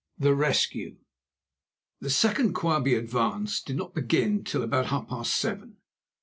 THE RESCUE The second Quabie advance did not begin till about half past seven.